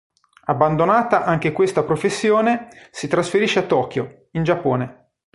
Abbandonata anche questa professione, si trasferisce a Tokyo, in Giappone.